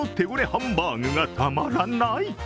ハンバーグがたまらない。